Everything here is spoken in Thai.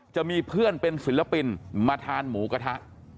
จะมีเพื่อนเป็นศิลปินมาทานหมูกระทะ